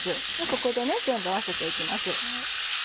ここで全部合わせて行きます。